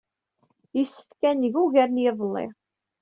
Yessefk ad neg ugar n yiḍelli.